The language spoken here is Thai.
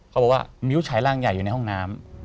เขาบอกว่ามิ้วฉายร่างใหญ่อยู่ในห้องน้ำ